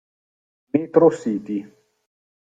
Metro City.